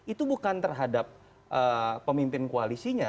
itu bukan terhadap pemimpin koalisinya